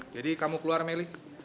jadi kamu keluar meli